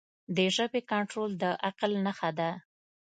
د ژبې کنټرول د عقل نښه ده.